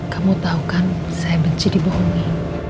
kamu tahu kan saya benci dibohongi